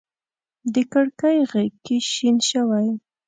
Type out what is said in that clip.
د کړکۍ غیږ کي شین شوی